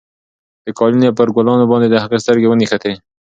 د قالینې پر ګلانو باندې د هغې سترګې ونښتې.